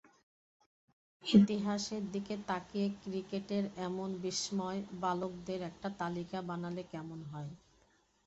ইতিহাসের দিকে তাকিয়ে ক্রিকেটের এমন বিস্ময় বালকদের একটা তালিকা বানালে কেমন হয়।